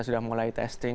sudah mulai testing